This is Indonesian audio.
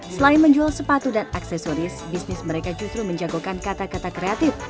selain menjual sepatu dan aksesoris bisnis mereka justru menjagokan kata kata kreatif